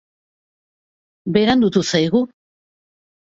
Berandutu zaigu.